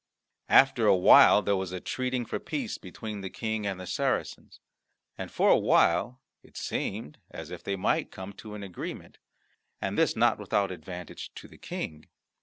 After a while there was a treating for peace between the King and the Saracens; and for a while it seemed as if they might come to an agreement, and this not without advantage to the King.